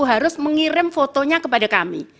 harus mengirim fotonya kepada kami